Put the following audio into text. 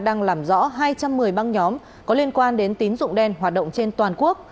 đang làm rõ hai trăm một mươi băng nhóm có liên quan đến tín dụng đen hoạt động trên toàn quốc